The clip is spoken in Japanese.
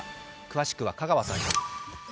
詳しくは香川さんに。